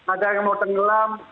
ada yang mau tenggelam